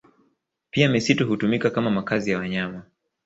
Pia misitu hutumika kama makazi ya wanyama